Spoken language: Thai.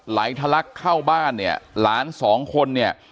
ทะลักเข้าบ้านเนี่ยหลานสองคนเนี่ย